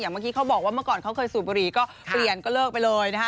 เมื่อกี้เขาบอกว่าเมื่อก่อนเขาเคยสูบบุหรี่ก็เปลี่ยนก็เลิกไปเลยนะฮะ